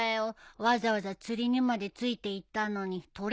わざわざ釣りにまで付いて行ったのに撮れなくてさ。